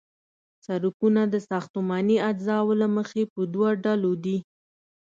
سرکونه د ساختماني اجزاوو له مخې په دوه ډلو دي